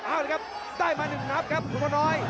เอาเลยครับได้มาหนึ่งนับครับถุงมะน้อย